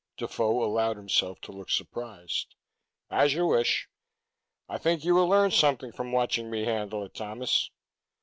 Defoe allowed himself to look surprised. "As you wish. I think you will learn something from watching me handle it, Thomas.